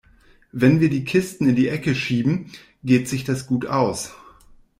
Wenn wir die Kisten in die Ecke schieben, geht sich das gut aus.